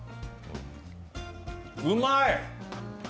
うまい。